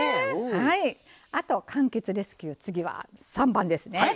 あとかんきつレスキュー次は、３番ですね。